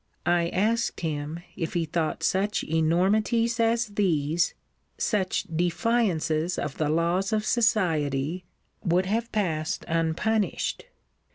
I asked him, if he thought such enormities as these, such defiances of the laws of society, would have passed unpunished?